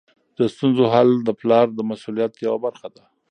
د ستونزو حل د پلار د مسؤلیت یوه برخه ده.